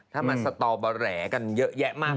ถ้ามันสตอบาแหลกันเยอะแยะมาก